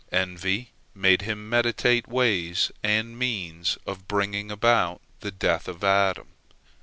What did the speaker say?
Envy made him meditate ways and means of bringing about the death of Adam.